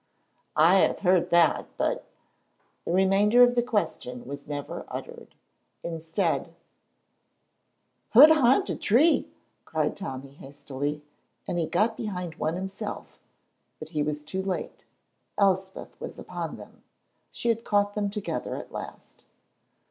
"Ay, I've heard that, but " The remainder of the question was never uttered. Instead, "Hod ahint a tree!" cried Tommy, hastily, and he got behind one himself; but he was too late; Elspeth was upon them; she had caught them together at last.